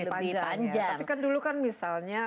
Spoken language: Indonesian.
panjang tapi kan dulu kan misalnya